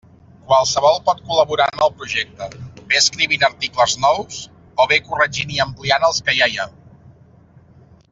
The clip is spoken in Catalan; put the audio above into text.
Qualsevol pot col·laborar en el projecte, bé escrivint articles nous, o bé corregint i ampliant els que ja hi ha.